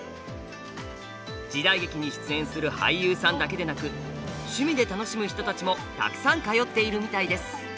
時代劇に出演する俳優さんだけでなく趣味で楽しむ人たちもたくさん通っているみたいです。